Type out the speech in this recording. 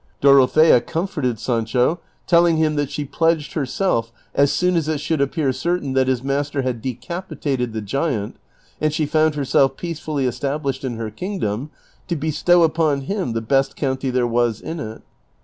Dorothea comforted Sancho, telling him that she pledged herself, as soon as it should appear certain that his master had decapitated the giant, and she found herself peacefully established in her kingdom, to bestow upon him the best county there was in it.